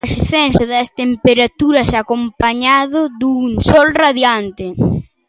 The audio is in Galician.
Ascenso das temperaturas acompañado dun sol radiante.